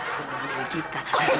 keren gak fir